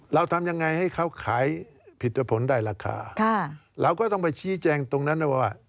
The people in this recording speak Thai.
เราทำยังไงให้เขาขายผิดผลได้ราคาเราก็ต้องไปชี้แจงตรงนั้นนะว่า